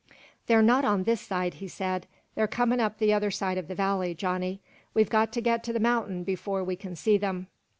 "They're not on this side," he said. "They're comin' up the other leg of the valley, Johnny. We've got to get to the mount'in before we can see them."